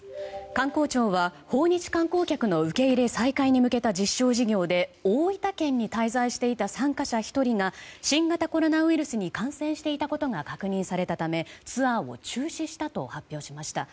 観光庁は訪日観光客の受け入れ再開に向けた実証事業で、大分県に滞在していた参加者１人が新型コロナウイルスに感染していたことが確認されたため、ツアーを中止したと発表しました。